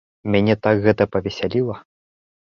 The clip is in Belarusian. Мяне так гэта павесяліла!